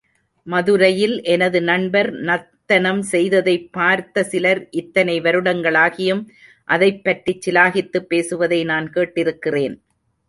மதுரையில் எனது நண்பர் நர்த்தனம் செய்ததைப் பார்த்த சிலர் இத்தனை வருடங்களாகியும், அதைப்பற்றிச் சிலாகித்துப் பேசுவதை நான் கேட்டிருக்கிறேன்.